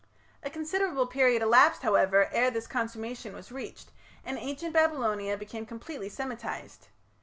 A considerable period elapsed, however, ere this consummation was reached and Ancient Babylonia became completely Semitized.